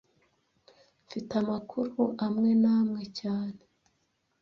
Mfite amakuru amwe n'amwe cyane